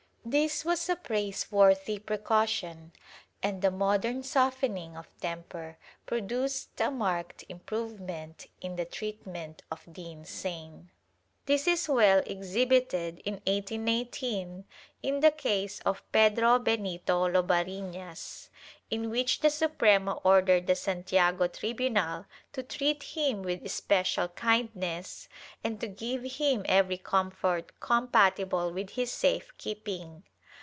This was a praiseworthy precaution, and the modern softening of temper produced a marked improvement in the treatment of the insane. This is well exhibited in 1818, in the case of Pedro Benito Lobarinas, in which the Suprema ordered the Santiago tribunal to treat him with especial kindness, and to give him every comfort compatible with his safe keeping.